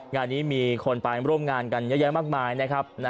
งานนี้มีคนไปร่วมงานกันเยอะแยะมากมายนะครับ